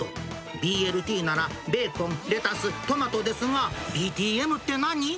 ＢＬＴならベーコン、レタス、トマトですが、ＢＴＭって何？